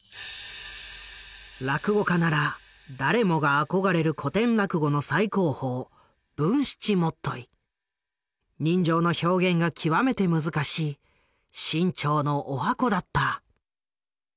落語家なら誰もが憧れる古典落語の最高峰人情の表現が極めて難しい志ん朝の十八番だった。